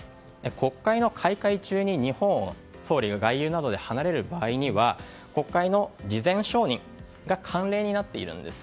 国会の開会中に日本を総理が外遊などで離れる場合には国会の事前承認が慣例になっているんです。